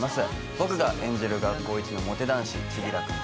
僕が演じる学校一のモテ男子千輝くんと。